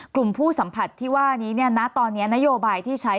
กลุ่มผู้สัมผัสที่ว่านี้เนี่ยณตอนนี้นโยบายที่ใช้